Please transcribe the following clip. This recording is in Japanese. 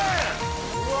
うわ！